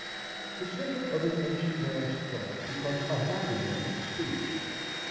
The symbol of an ancient man's thought becomes a modern man's speech.